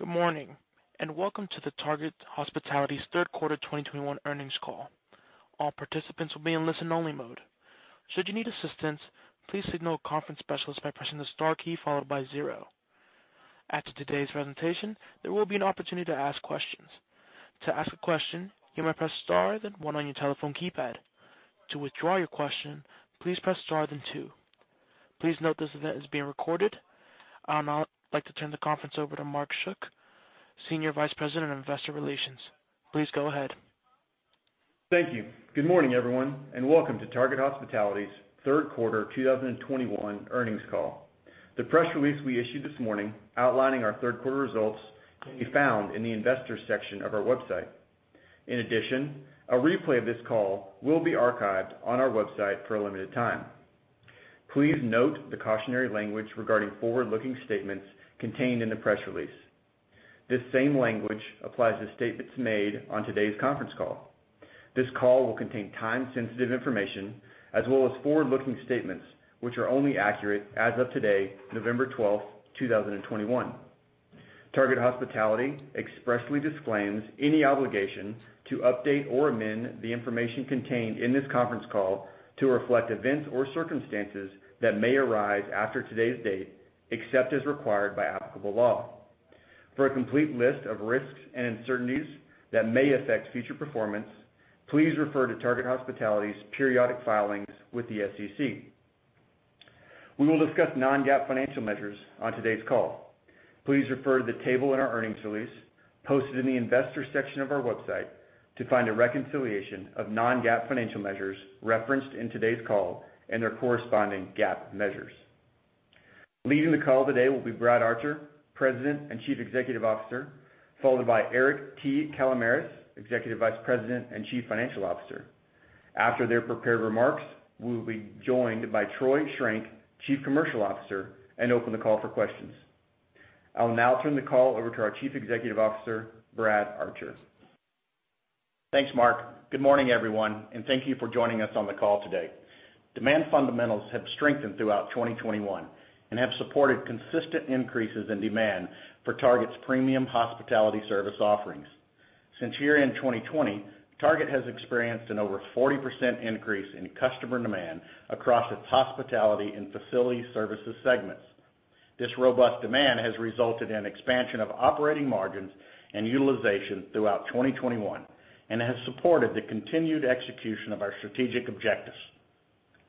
Good morning, and Welcome to the Target Hospitality's Q3 2021 Earnings Call. All participants will be in listen-only mode. Should you need assistance, please signal a conference specialist by pressing the star key followed by zero. After today's presentation, there will be an opportunity to ask questions. To ask a question, you may press star then one on your telephone keypad. To withdraw your question, please press star then two. Please note this event is being recorded. I would now like to turn the conference over to Mark Schuck, Senior Vice President of Investor Relations. Please go ahead. Thank you. Good morning, everyone, and welcome to Target Hospitality's third quarter 2021 earnings call. The press release we issued this morning outlining our third quarter results can be found in the Investors section of our website. In addition, a replay of this call will be archived on our website for a limited time. Please note the cautionary language regarding forward-looking statements contained in the press release. This same language applies to statements made on today's conference call. This call will contain time-sensitive information as well as forward-looking statements, which are only accurate as of today, November 12, 2021. Target Hospitality expressly disclaims any obligation to update or amend the information contained in this conference call to reflect events or circumstances that may arise after today's date, except as required by applicable law. For a complete list of risks and uncertainties that may affect future performance, please refer to Target Hospitality's periodic filings with the SEC. We will discuss non-GAAP financial measures on today's call. Please refer to the table in our earnings release posted in the Investors section of our website to find a reconciliation of non-GAAP financial measures referenced in today's call and their corresponding GAAP measures. Leading the call today will be Brad Archer, President and Chief Executive Officer, followed by Eric T. Kalamaras, Executive Vice President and Chief Financial Officer. After their prepared remarks, we will be joined by Troy Schrenk, Chief Commercial Officer, and open the call for questions. I will now turn the call over to our Chief Executive Officer, Brad Archer. Thanks Mark. Good morning, everyone, and thank you for joining us on the call today. Demand fundamentals have strengthened throughout 2021 and have supported consistent increases in demand for Target's premium hospitality service offerings. Since year-end 2020, Target has experienced an over 40% increase in customer demand across its hospitality and facilities services segments. This robust demand has resulted in expansion of operating margins and utilization throughout 2021 and has supported the continued execution of our strategic objectives.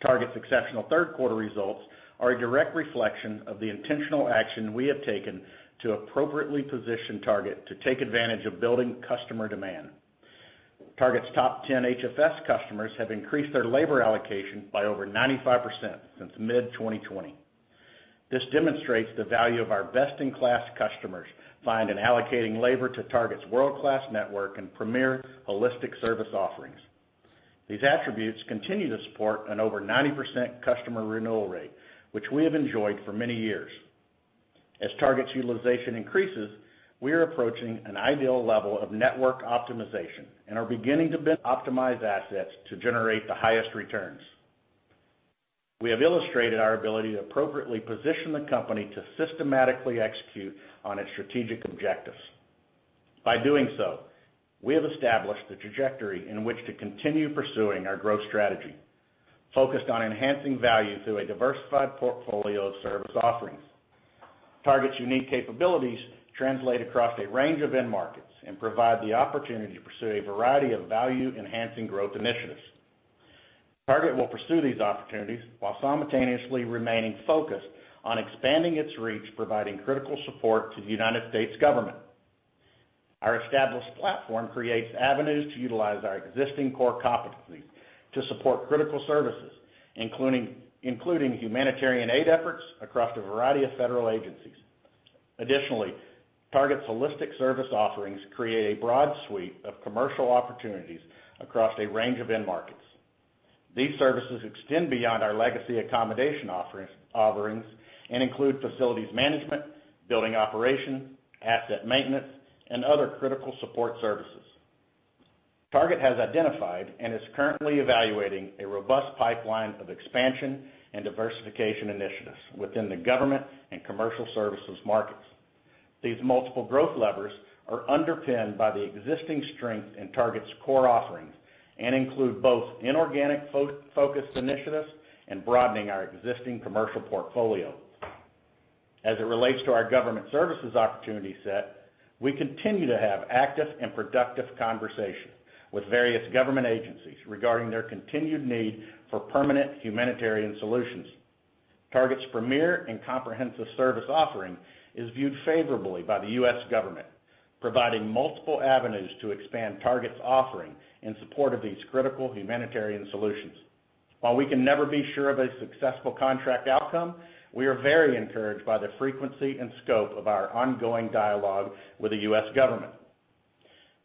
Target's exceptional third quarter results are a direct reflection of the intentional action we have taken to appropriately position Target to take advantage of building customer demand. Target's top 10 HFS customers have increased their labor allocation by over 95% since mid-2020. This demonstrates the value of our best-in-class customers find in allocating labor to Target's world-class network and premier holistic service offerings. These attributes continue to support an over 90% customer renewal rate, which we have enjoyed for many years. As Target's utilization increases, we are approaching an ideal level of network optimization and are beginning to optimize assets to generate the highest returns. We have illustrated our ability to appropriately position the company to systematically execute on its strategic objectives. By doing so, we have established the trajectory in which to continue pursuing our growth strategy, focused on enhancing value through a diversified portfolio of service offerings. Target's unique capabilities translate across a range of end markets and provide the opportunity to pursue a variety of value-enhancing growth initiatives. Target will pursue these opportunities while simultaneously remaining focused on expanding its reach, providing critical support to the United States government. Our established platform creates avenues to utilize our existing core competencies to support critical services, including humanitarian aid efforts across a variety of federal agencies. Additionally, Target's holistic service offerings create a broad suite of commercial opportunities across a range of end markets. These services extend beyond our legacy accommodation offerings and include facilities management, building operation, asset maintenance, and other critical support services. Target has identified and is currently evaluating a robust pipeline of expansion and diversification initiatives within the government and commercial services markets. These multiple growth levers are underpinned by the existing strength in Target's core offerings and include both inorganic focused initiatives and broadening our existing commercial portfolio. As it relates to our government services opportunity set, we continue to have active and productive conversations with various government agencies regarding their continued need for permanent humanitarian solutions. Target's premier and comprehensive service offering is viewed favorably by the U.S. government, providing multiple avenues to expand Target's offering in support of these critical humanitarian solutions. While we can never be sure of a successful contract outcome, we are very encouraged by the frequency and scope of our ongoing dialogue with the U.S. government.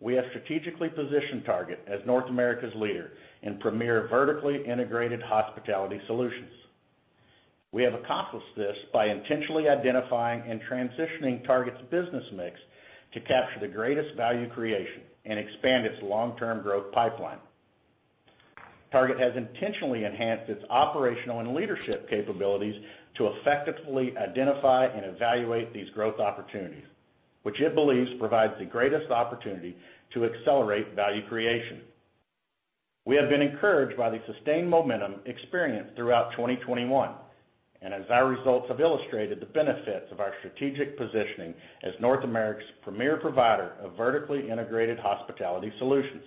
We have strategically positioned Target as North America's leader in premier vertically integrated hospitality solutions. We have accomplished this by intentionally identifying and transitioning Target's business mix to capture the greatest value creation and expand its long-term growth pipeline. Target has intentionally enhanced its operational and leadership capabilities to effectively identify and evaluate these growth opportunities, which it believes provides the greatest opportunity to accelerate value creation. We have been encouraged by the sustained momentum experienced throughout 2021, and as our results have illustrated the benefits of our strategic positioning as North America's premier provider of vertically integrated hospitality solutions.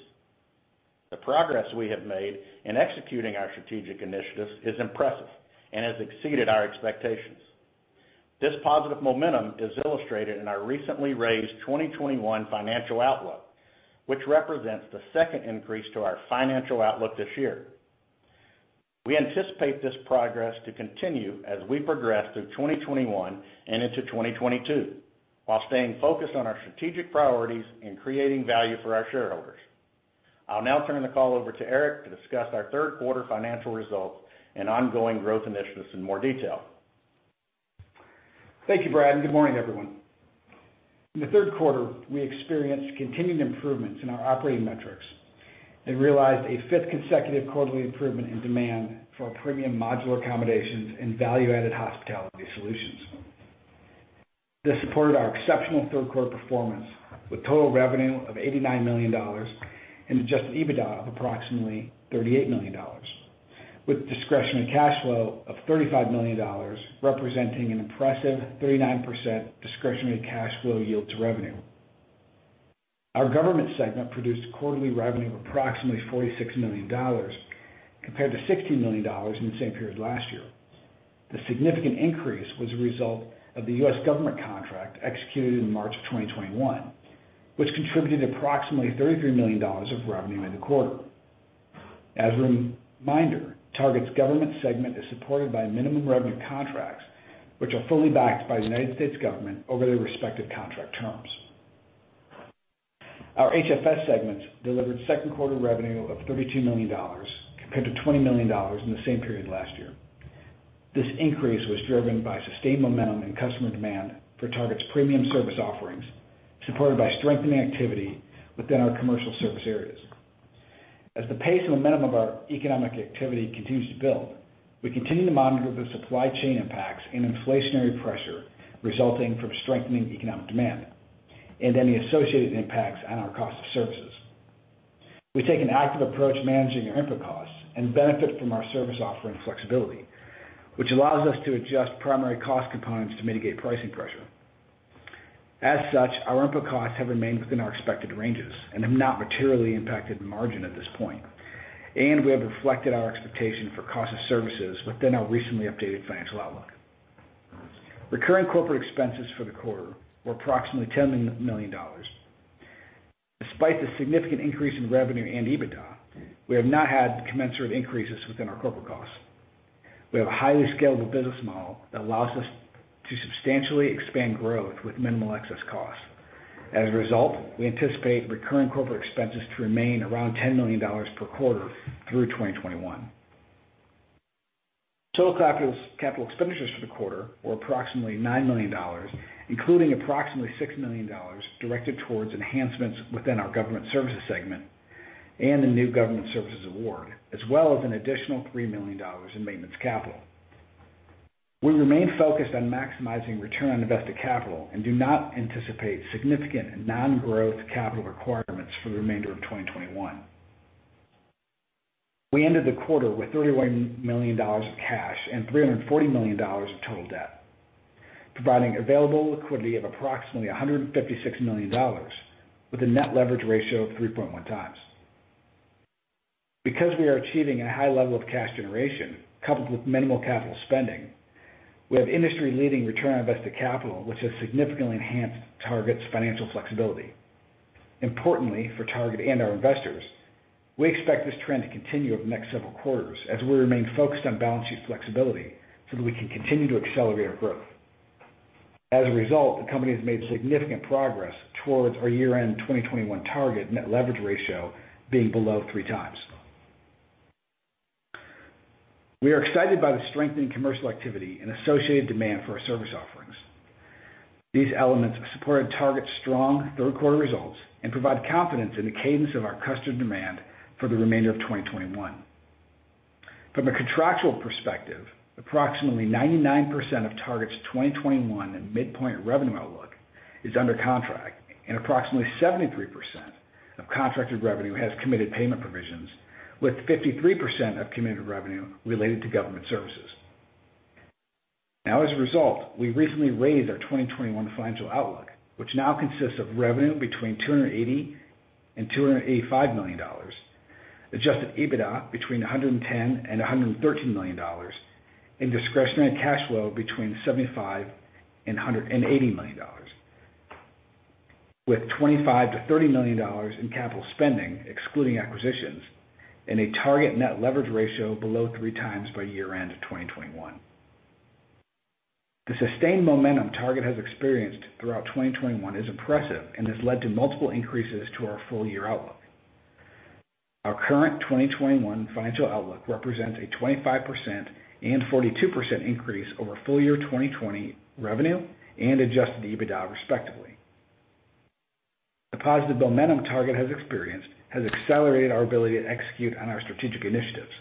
The progress we have made in executing our strategic initiatives is impressive and has exceeded our expectations. This positive momentum is illustrated in our recently raised 2021 financial outlook, which represents the second increase to our financial outlook this year. We anticipate this progress to continue as we progress through 2021 and into 2022, while staying focused on our strategic priorities in creating value for our shareholders. I'll now turn the call over to Eric to discuss our third quarter financial results and ongoing growth initiatives in more detail. Thank you, Brad, and good morning, everyone. In the third quarter, we experienced continued improvements in our operating metrics and realized a fifth consecutive quarterly improvement in demand for our premium modular accommodations and value-added hospitality solutions. This supported our exceptional third quarter performance with total revenue of $89 million and adjusted EBITDA of approximately $38 million, with Discretionary Cash Flow of $35 million, representing an impressive 39% Discretionary Cash Flow yield to revenue. Our Government segment produced quarterly revenue of approximately $46 million compared to $16 million in the same period last year. The significant increase was a result of the U.S. government contract executed in March 2021, which contributed approximately $33 million of revenue in the quarter. As a reminder, Target's Government segment is supported by minimum revenue contracts, which are fully backed by the U.S. government over their respective contract terms. Our HFS segments delivered second quarter revenue of $32 million compared to $20 million in the same period last year. This increase was driven by sustained momentum in customer demand for Target's premium service offerings, supported by strengthening activity within our commercial service areas. As the pace and momentum of our economic activity continues to build, we continue to monitor the supply chain impacts and inflationary pressure resulting from strengthening economic demand and any associated impacts on our cost of services. We take an active approach managing our input costs and benefit from our service offering flexibility, which allows us to adjust primary cost components to mitigate pricing pressure. As such, our input costs have remained within our expected ranges and have not materially impacted margin at this point, and we have reflected our expectation for cost of services within our recently updated financial outlook. Recurring corporate expenses for the quarter were approximately $10 million. Despite the significant increase in revenue and EBITDA, we have not had commensurate increases within our corporate costs. We have a highly scalable business model that allows us to substantially expand growth with minimal excess costs. As a result, we anticipate recurring corporate expenses to remain around $10 million per quarter through 2021. Total capital expenditures for the quarter were approximately $9 million, including approximately $6 million directed towards enhancements within our Government segment and a new Government services award, as well as an additional $3 million in maintenance capital. We remain focused on maximizing return on invested capital and do not anticipate significant non-growth capital requirements for the remainder of 2021. We ended the quarter with $31 million of cash and $340 million of total debt, providing available liquidity of approximately $156 million with a net leverage ratio of 3.1x. Because we are achieving a high level of cash generation, coupled with minimal capital spending, we have industry-leading return on invested capital, which has significantly enhanced Target's financial flexibility. Importantly, for Target and our investors, we expect this trend to continue over the next several quarters as we remain focused on balancing flexibility so that we can continue to accelerate our growth. As a result, the company has made significant progress towards our year-end 2021 target net leverage ratio being below 3x. We are excited by the strengthening commercial activity and associated demand for our service offerings. These elements have supported Target's strong third quarter results and provide confidence in the cadence of our customer demand for the remainder of 2021. From a contractual perspective, approximately 99% of Target's 2021 and midpoint revenue outlook is under contract, and approximately 73% of contracted revenue has committed payment provisions, with 53% of committed revenue related to government services. Now as a result, we recently raised our 2021 financial outlook, which now consists of revenue between $280 million and $285 million, adjusted EBITDA between $110 million and $113 million, and Discretionary Cash Flow between $75 million and $80 million. With $25 million-$30 million in capital spending, excluding acquisitions, and a Target net leverage ratio below three times by year-end of 2021. The sustained momentum Target has experienced throughout 2021 is impressive and has led to multiple increases to our full-year outlook. Our current 2021 financial outlook represents a 25% and 42% increase over full-year 2020 revenue and adjusted EBITDA, respectively. The positive momentum Target has experienced has accelerated our ability to execute on our strategic initiatives.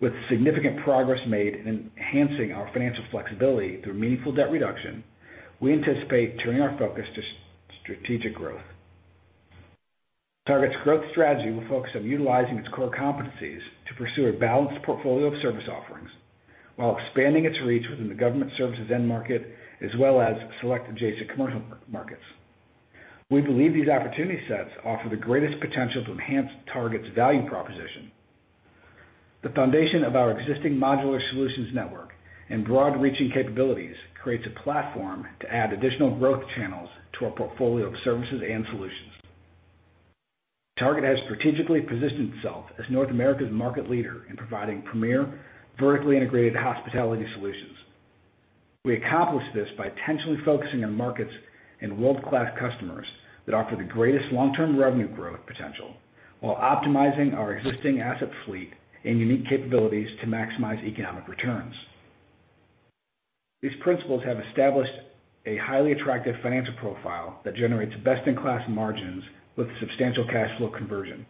With significant progress made in enhancing our financial flexibility through meaningful debt reduction, we anticipate turning our focus to strategic growth. Target's growth strategy will focus on utilizing its core competencies to pursue a balanced portfolio of service offerings while expanding its reach within the government services end market, as well as select adjacent commercial markets. We believe these opportunity sets offer the greatest potential to enhance Target's value proposition. The foundation of our existing modular solutions network and broad reaching capabilities creates a platform to add additional growth channels to our portfolio of services and solutions. Target has strategically positioned itself as North America's market leader in providing premier, vertically integrated hospitality solutions. We accomplish this by intentionally focusing on markets and world-class customers that offer the greatest long-term revenue growth potential while optimizing our existing asset fleet and unique capabilities to maximize economic returns. These principles have established a highly attractive financial profile that generates best in class margins with substantial cash flow conversion.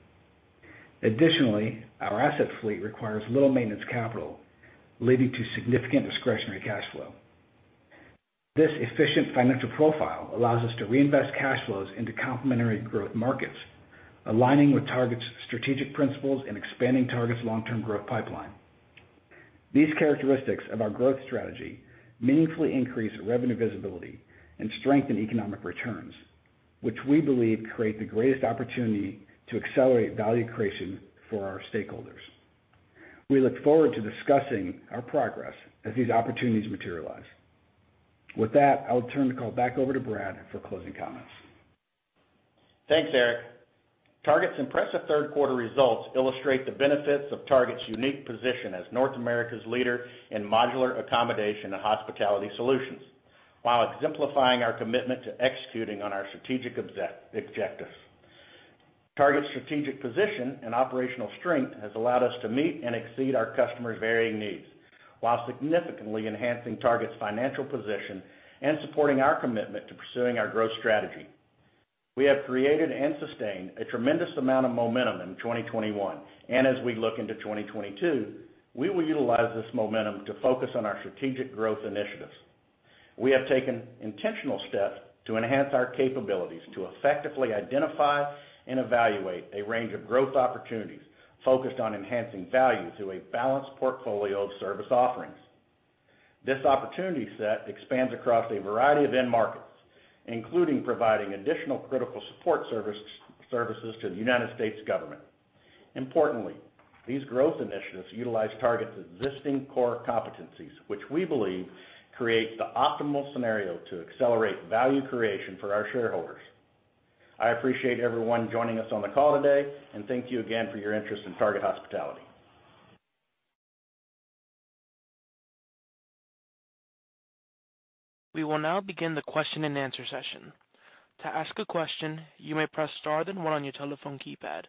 Additionally, our asset fleet requires little maintenance capital, leading to significant Discretionary Cash Flow. This efficient financial profile allows us to reinvest cash flows into complementary growth markets, aligning with Target's strategic principles and expanding Target's long-term growth pipeline. These characteristics of our growth strategy meaningfully increase revenue visibility and strengthen economic returns, which we believe create the greatest opportunity to accelerate value creation for our stakeholders. We look forward to discussing our progress as these opportunities materialize. With that, I'll turn the call back over to Brad for closing comments. Thanks Eric. Target's impressive third quarter results illustrate the benefits of Target's unique position as North America's leader in modular accommodation and hospitality solutions, while exemplifying our commitment to executing on our strategic objectives. Target's strategic position and operational strength has allowed us to meet and exceed our customers' varying needs while significantly enhancing Target's financial position and supporting our commitment to pursuing our growth strategy. We have created and sustained a tremendous amount of momentum in 2021. As we look into 2022, we will utilize this momentum to focus on our strategic growth initiatives. We have taken intentional steps to enhance our capabilities to effectively identify and evaluate a range of growth opportunities focused on enhancing value through a balanced portfolio of service offerings. This opportunity set expands across a variety of end markets, including providing additional critical support services to the United States government. Importantly, these growth initiatives utilize Target's existing core competencies, which we believe create the optimal scenario to accelerate value creation for our shareholders. I appreciate everyone joining us on the call today, and thank you again for your interest in Target Hospitality. We will now begin the question and answer session. To ask a question, you may press star then one on your telephone keypad.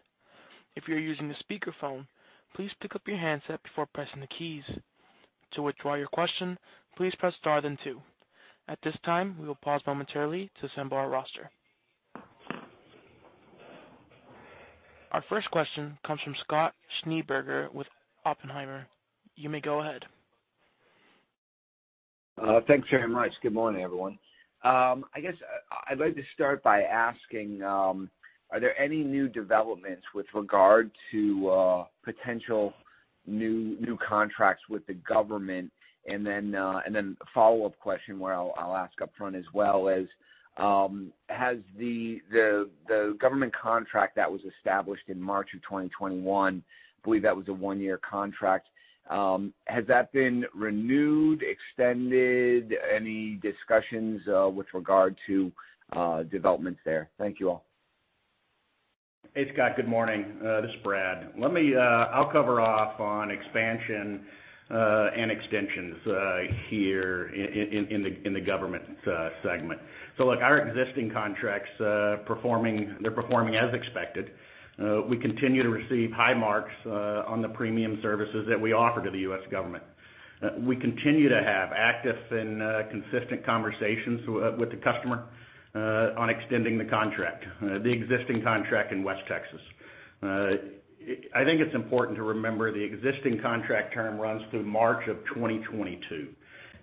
If you're using a speakerphone, please pick up your handset before pressing the keys. To withdraw your question, please press star then two. At this time, we will pause momentarily to assemble our roster. Our first question comes from Scott Schneeberger with Oppenheimer. You may go ahead. Thanks very much. Good morning everyone. I guess I'd like to start by asking, are there any new developments with regard to potential new contracts with the government? And then a follow-up question where I'll ask upfront as well is, has the government contract that was established in March of 2021, believe that was a one-year contract, has that been renewed, extended? Any discussions with regard to developments there? Thank you all. Hey Scott. Good morning. This is Brad. I'll cover off on expansion and extensions here in the Government segment. Look, our existing contracts are performing as expected. We continue to receive high marks on the premium services that we offer to the U.S. government. We continue to have active and consistent conversations with the customer on extending the contract, the existing contract in West Texas. I think it's important to remember the existing contract term runs through March of 2022,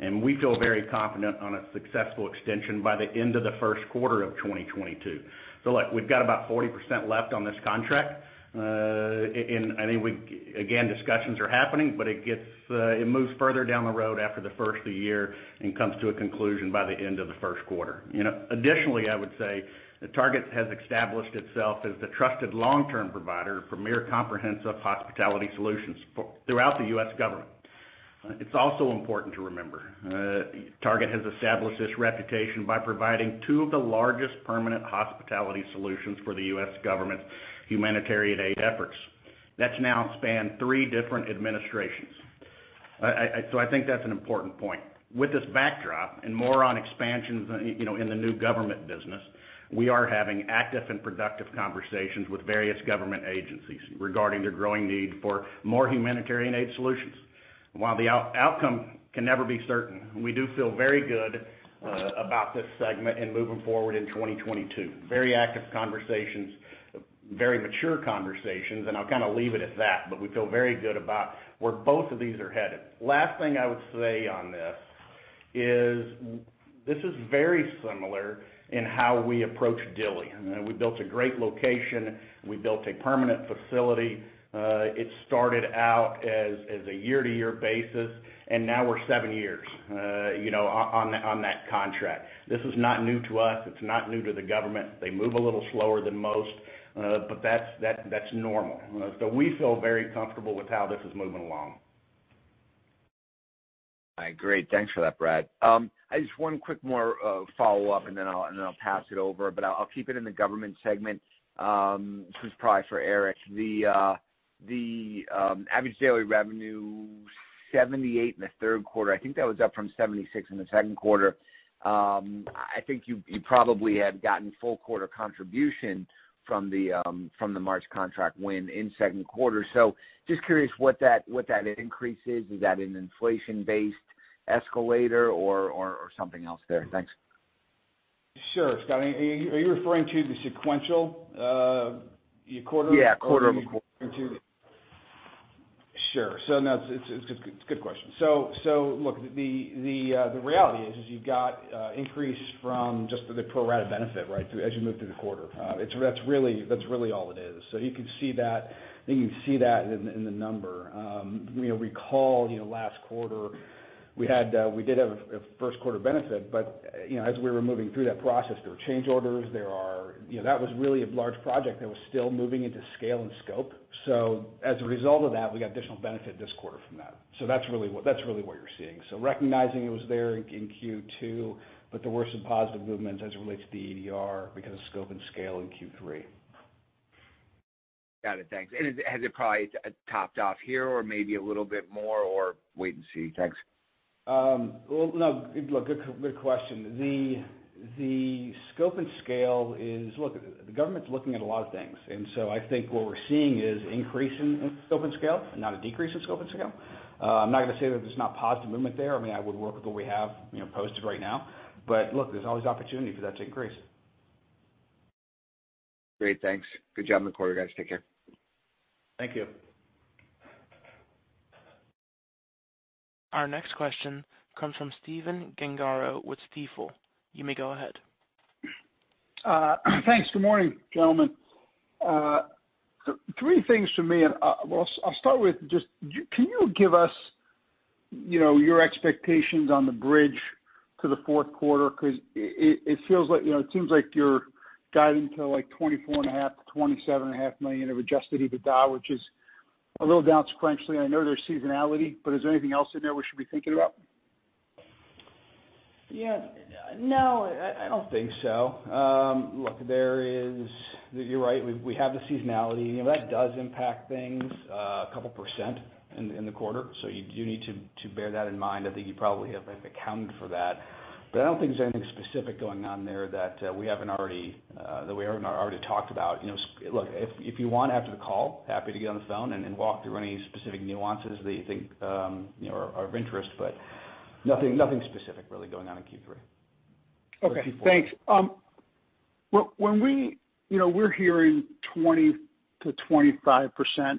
and we feel very confident on a successful extension by the end of the first quarter of 2022. Look, we've got about 40% left on this contract. Again, discussions are happening, but it gets, it moves further down the road after the first of the year and comes to a conclusion by the end of the first quarter. You know, additionally, I would say that Target has established itself as the trusted long-term provider for more comprehensive hospitality solutions throughout the U.S. government. It's also important to remember, Target has established this reputation by providing two of the largest permanent hospitality solutions for the U.S. government humanitarian aid efforts. That's now spanned three different administrations. I think that's an important point. With this backdrop and more on expansions, you know, in the new Government business, we are having active and productive conversations with various government agencies regarding their growing need for more humanitarian aid solutions. While the outcome can never be certain, we do feel very good about this segment and moving forward in 2022. Very active conversations, very mature conversations, and I'll kind of leave it at that. We feel very good about where both of these are headed. Last thing I would say on this is this is very similar in how we approach Dilley. We built a great location. We built a permanent facility. It started out as a year-to-year basis, and now we're seven years on that contract. This is not new to us. It's not new to the government. They move a little slower than most. But that's normal. We feel very comfortable with how this is moving along. All right, great. Thanks for that, Brad. I just have one more quick follow-up, and then I'll pass it over, but I'll keep it in the Government segment. This is probably for Eric. The average daily revenue, $78 in the third quarter. I think that was up from $76 in the second quarter. I think you probably had gotten full quarter contribution from the March contract win in second quarter. So just curious what that increase is. Is that an inflation-based escalator or something else there? Thanks. Sure, Scott. Are you referring to the sequential quarterly? Yeah, quarter-over-quarter. Sure. No, it's a good question. Look the reality is you've got increase from just the pro rata benefit, right? As you move through the quarter. That's really all it is. You can see that, I think you can see that in the number. You know, recall, you know, last quarter we had, we did have a first quarter benefit, but, you know, as we were moving through that process, there were change orders. You know, that was really a large project that was still moving into scale and scope. As a result of that, we got additional benefit this quarter from that. That's really what you're seeing. Recognizing it was there in Q2, but there were some positive movements as it relates to the EDR because of scope and scale in Q3. Got it. Thanks. Has it probably topped off here or maybe a little bit more or wait and see? Thanks. Well, no look, good question. The scope and scale is. Look, the government's looking at a lot of things, and so I think what we're seeing is increase in scope and scale, not a decrease in scope and scale. I'm not gonna say that there's not positive movement there. I mean, I would work with what we have, you know, posted right now. Look, there's always opportunity for that to increase. Great. Thanks. Good job in the quarter, guys. Take care. Thank you. Our next question comes from Stephen Gengaro with Stifel. You may go ahead. Thanks. Good morning gentlemen. Three things for me. Well, I'll start with just, can you give us, you know, your expectations on the bridge to the fourth quarter? Because it feels like, you know, it seems like you're guiding to, like, $24.5 million-$27.5 million of adjusted EBITDA, which is a little down sequentially. I know there's seasonality, but is there anything else in there we should be thinking about? Yeah. No, I don't think so. Look. You're right. We have the seasonality. You know, that does impact things, a couple percent in the quarter. You do need to bear that in mind. I think you probably have, like, accounted for that. I don't think there's anything specific going on there that we haven't already talked about. You know, look, if you want, after the call, happy to get on the phone and walk through any specific nuances that you think, you know, are of interest, but nothing specific really going on in Q3 or Q4. Okay, thanks. You know, we're hearing 20%-25%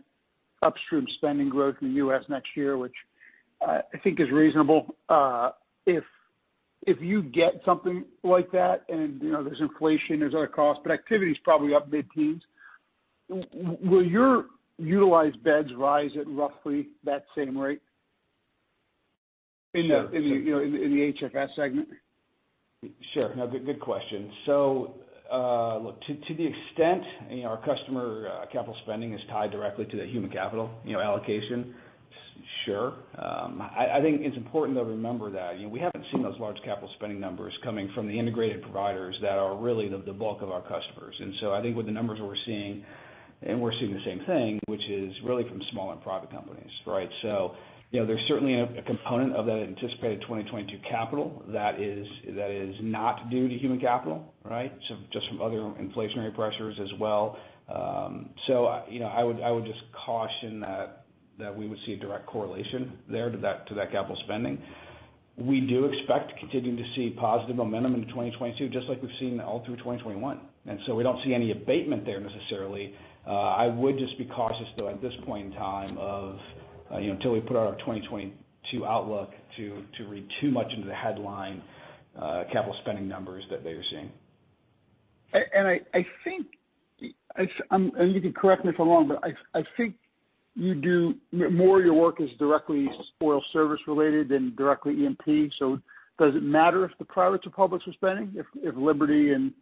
upstream spending growth in the U.S. next year, which I think is reasonable. If you get something like that and, you know, there's inflation, there's other costs, but activity is probably up mid-teens. Will your utilized beds rise at roughly that same rate? In the HFS segment. Sure. No, good question. Look, to the extent, you know, our customer capital spending is tied directly to the human capital, you know, allocation, sure. I think it's important, though, to remember that, you know, we haven't seen those large capital spending numbers coming from the integrated providers that are really the bulk of our customers. I think with the numbers that we're seeing, and we're seeing the same thing, which is really from small and private companies, right? You know, there's certainly a component of that anticipated 2022 capital that is not due to human capital, right? Just from other inflationary pressures as well. You know, I would just caution that we would see a direct correlation there to that capital spending. We do expect to continue to see positive momentum into 2022, just like we've seen all through 2021. We don't see any abatement there necessarily. I would just be cautious, though, at this point in time of, you know, till we put out our 2022 outlook to read too much into the headline capital spending numbers that they are seeing. I think, and you can correct me if I'm wrong, but I think more of your work is directly oil service related than directly E&P. Does it matter if the privates or publics are spending, if Liberty and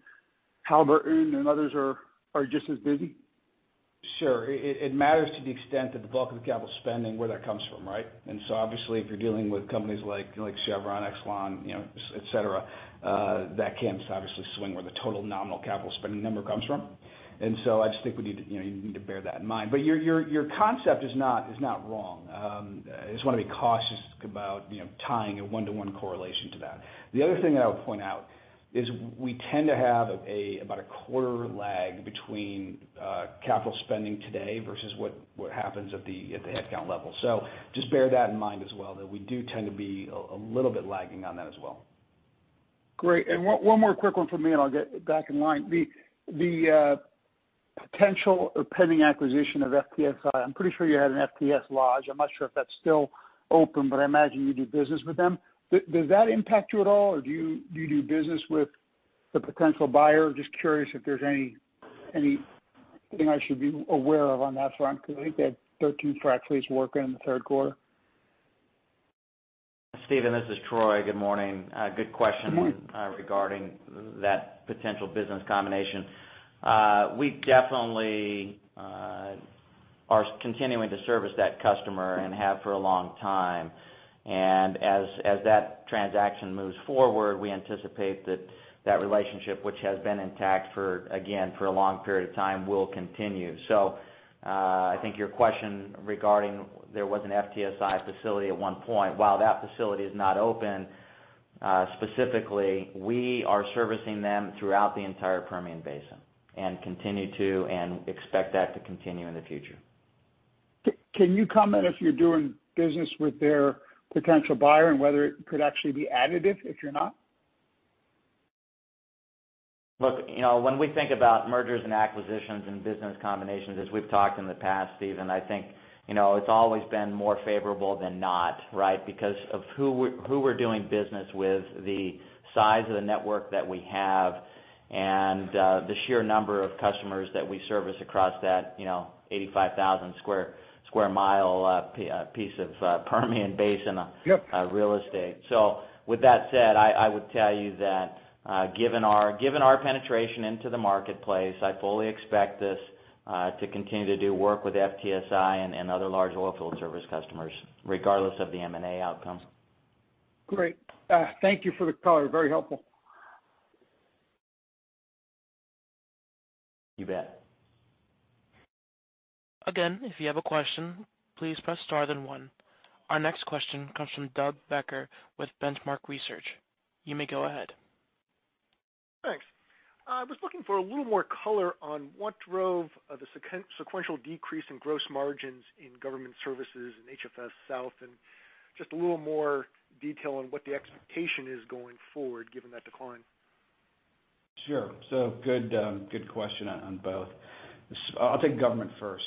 Halliburton and others are just as busy? Sure. It matters to the extent that the bulk of the capital spending, where that comes from, right? Obviously, if you're dealing with companies like Chevron, Exxon, you know, et cetera, that can obviously swing where the total nominal capital spending number comes from. I just think we need you know you need to bear that in mind. But your concept is not wrong. I just wanna be cautious about you know tying a one-to-one correlation to that. The other thing that I would point out is we tend to have about a quarter lag between capital spending today versus what happens at the headcount level. So just bear that in mind as well, that we do tend to be a little bit lagging on that as well. Great. One more quick one from me, and I'll get back in line. The potential or pending acquisition of FTSI, I'm pretty sure you had an FTSI lodge. I'm not sure if that's still open, but I imagine you do business with them. Does that impact you at all, or do you do business with the potential buyer? Just curious if there's anything I should be aware of on that front, 'cause I think they had 13 frac fleets working in the third quarter. Stephen, this is Troy. Good morning. Good question. Good morning. Regarding that potential business combination. We definitely are continuing to service that customer and have for a long time. As that transaction moves forward, we anticipate that relationship, which has been intact for, again, for a long period of time, will continue. I think your question regarding there was an FTSI facility at one point, while that facility is not open, specifically, we are servicing them throughout the entire Permian Basin and continue to and expect that to continue in the future. Can you comment if you're doing business with their potential buyer and whether it could actually be additive if you're not? Look, you know, when we think about mergers and acquisitions and business combinations, as we've talked in the past, Stephen, I think, you know, it's always been more favorable than not, right? Because of who we're doing business with, the size of the network that we have, and the sheer number of customers that we service across that, you know, 85,000 sq mi piece of Permian Basin. Yep real estate. With that said, I would tell you that, given our penetration into the marketplace, I fully expect us to continue to do work with FTSI and other large oil field service customers, regardless of the M&A outcomes. Great. Thank you for the color. Very helpful. You bet. Again, if you have a question, please press star then one. Our next question comes from Doug Becker with Benchmark Research. You may go ahead. Thanks. I was looking for a little more color on what drove the sequential decrease in gross margins in government services in HFS South and just a little more detail on what the expectation is going forward, given that decline. Sure. Good question on both. I'll take government first.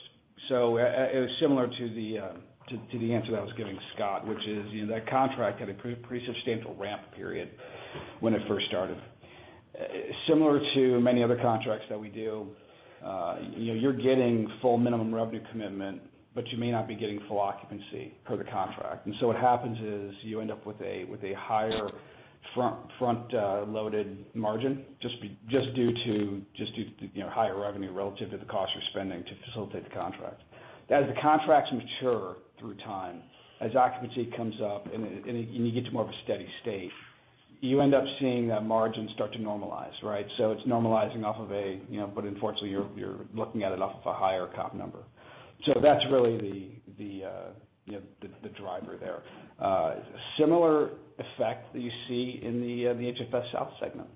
Similar to the answer that I was giving Scott, which is, you know, that contract had a pretty substantial ramp period when it first started. Similar to many other contracts that we do, you know, you're getting full minimum revenue commitment, but you may not be getting full occupancy per the contract. What happens is you end up with a higher front loaded margin, just due to, you know, higher revenue relative to the cost you're spending to facilitate the contract. As the contracts mature through time, as occupancy comes up and you get to more of a steady state, you end up seeing that margin start to normalize, right? It's normalizing off of a but unfortunately you're looking at it off of a higher comp number. That's really the driver there. Similar effect that you see in the HFS South segment.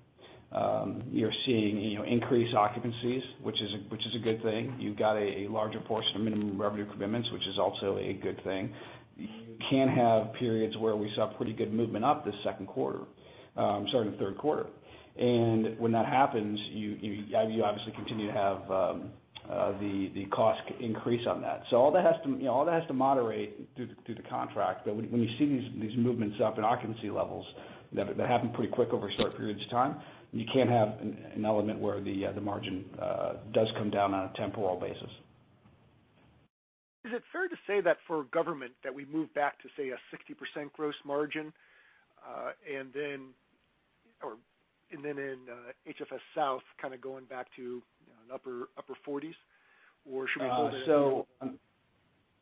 You're seeing increased occupancies, which is a good thing. You've got a larger portion of minimum revenue commitments, which is also a good thing. You can have periods where we saw pretty good movement in the third quarter. When that happens, you obviously continue to have the cost increase on that. All that has to moderate through the contract. When you see these movements up in occupancy levels that happen pretty quick over short periods of time, you can have an element where the margin does come down on a temporal basis. Is it fair to say that for Government, that we move back to, say, a 60% gross margin, and then in HFS South, kinda going back to, you know, an upper 40s%? Or should we hold that-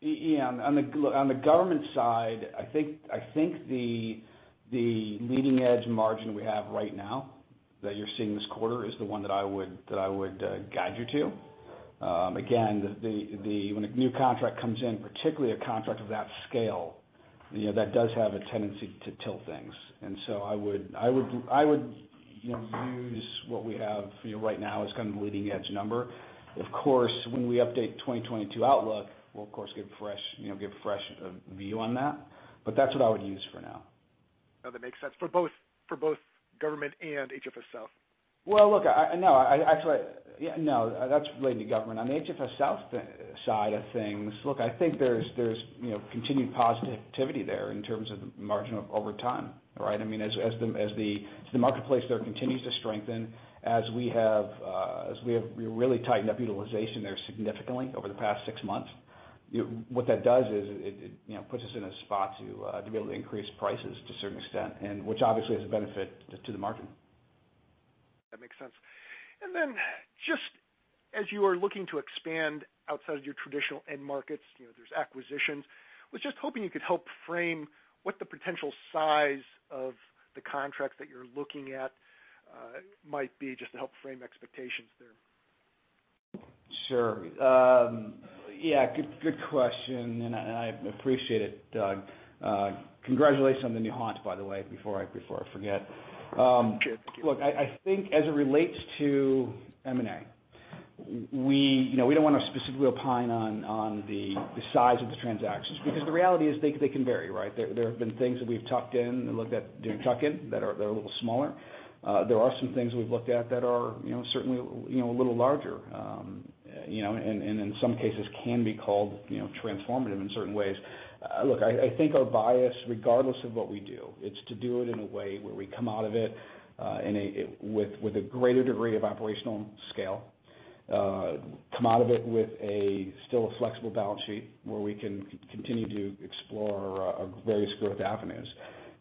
Yeah, on the government side, I think the leading edge margin we have right now that you're seeing this quarter is the one that I would guide you to. Again, when a new contract comes in, particularly a contract of that scale, you know, that does have a tendency to tilt things. I would use what we have, you know, right now as kind of the leading edge number. Of course, when we update 2022 outlook, we'll of course give fresh view on that, but that's what I would use for now. No, that makes sense. For both Government and HFS – South? Well, look, no, actually, yeah, no, that's related to government. On the HFS – South side of things, look, I think there's, you know, continued positivity there in terms of the margin over time, right? I mean, as the marketplace there continues to strengthen, we really tightened up utilization there significantly over the past six months. What that does is it, you know, puts us in a spot to be able to increase prices to a certain extent, and which obviously is a benefit to the margin. That makes sense. Just as you are looking to expand outside of your traditional end markets, you know, there's acquisitions. I was just hoping you could help frame what the potential size of the contracts that you're looking at might be just to help frame expectations there. Sure. Yeah, good question, and I appreciate it, Doug. Congratulations on the new job, by the way, before I forget. Sure, thank you. Look, I think as it relates to M&A, we, you know, we don't wanna specifically opine on the size of the transactions because the reality is they can vary, right? There have been things that we've tucked in and looked at, didn't tuck in, that are a little smaller. There are some things we've looked at that are, you know, certainly, you know, a little larger, you know, and in some cases can be called, you know, transformative in certain ways. Look, I think our bias, regardless of what we do, it's to do it in a way where we come out of it with a greater degree of operational scale, come out of it with a still flexible balance sheet where we can continue to explore various growth avenues.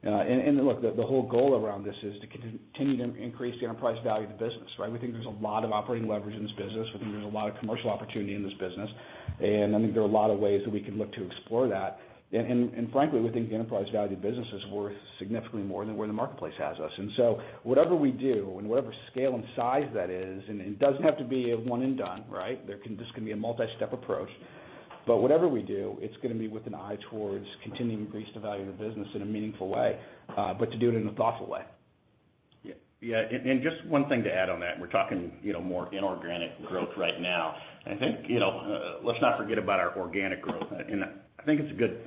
Look, the whole goal around this is to continue to increase the enterprise value of the business, right? We think there's a lot of operating leverage in this business. We think there's a lot of commercial opportunity in this business. I think there are a lot of ways that we can look to explore that. Frankly, we think the enterprise value of business is worth significantly more than where the marketplace has us. Whatever we do and whatever scale and size that is, and it doesn't have to be a one and done, right? This can be a multi-step approach. Whatever we do, it's gonna be with an eye towards continuing to increase the value of the business in a meaningful way, but to do it in a thoughtful way. Yeah. Yeah, and just one thing to add on that, we're talking, you know, more inorganic growth right now. I think, you know, let's not forget about our organic growth. I think it's a good,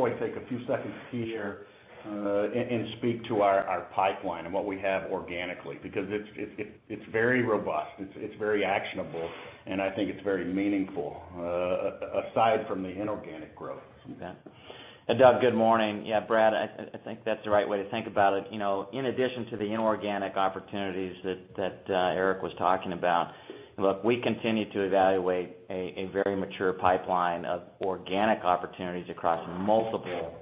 Troy, take a few seconds here, and speak to our pipeline and what we have organically, because it's very robust, it's very actionable, and I think it's very meaningful, aside from the inorganic growth. Doug, good morning. Yeah, Brad, I think that's the right way to think about it. You know, in addition to the inorganic opportunities that Eric was talking about, look, we continue to evaluate a very mature pipeline of organic opportunities across multiple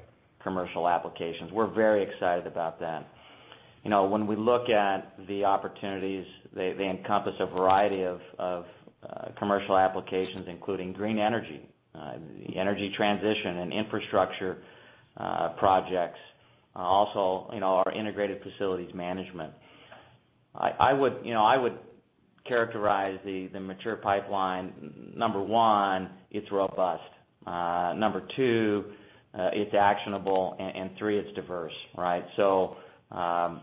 commercial applications. We're very excited about that. You know, when we look at the opportunities, they encompass a variety of commercial applications, including green energy, the energy transition and infrastructure projects, also, you know, our integrated facilities management. I would characterize the mature pipeline, number one, it's robust. Number two, it's actionable, and three, it's diverse, right? I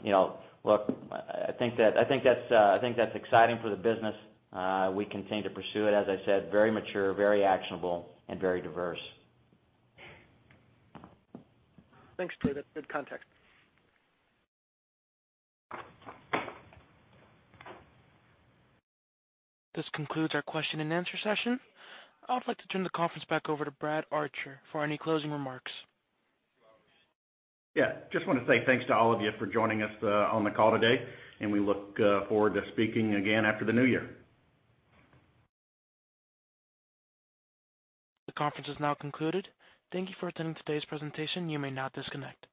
think that's exciting for the business. We continue to pursue it. As I said, very mature, very actionable and very diverse. Thanks, Troy. That's good context. This concludes our question and answer session. I would like to turn the conference back over to Brad Archer for any closing remarks. Yeah, just wanna say thanks to all of you for joining us on the call today, and we look forward to speaking again after the new year. The conference is now concluded. Thank you for attending today's presentation. You may now disconnect.